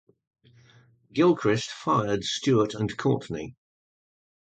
Gilchrist fired Stewart and Courtney.